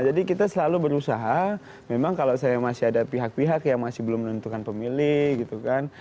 jadi kita selalu berusaha memang kalau saya masih ada pihak pihak yang masih belum menentukan pemilih gitu kan